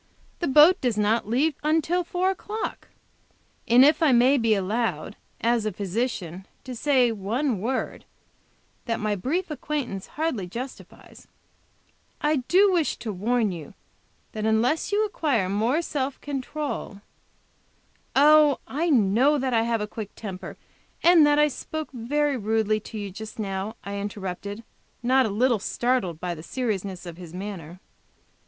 "The boat does not leave until four o'clock. And if I may be allowed, as a physician, to say one word, that my brief acquaintance hardly justifies, I do wish to warn you that unless you acquire more self control " "Oh, I know that I have a quick temper, and that I spoke very rudely to you just now," I interrupted, not a little startled by the seriousness of his manner.